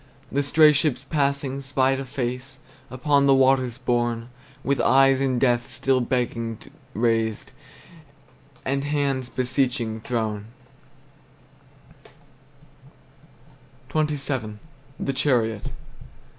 The stray ships passing spied a face Upon the waters borne, With eyes in death still begging raised, And hands beseeching thrown. XXVII. THE CHARIOT.